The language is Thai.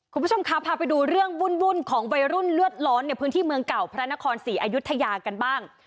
คุณผู้ชมครับพาไปดูเรื่องวุ่นของวัยรุ่นเลือดร้อนในพื้นที่เมืองเก่าพระนครศรีอายุทยากันบ้าง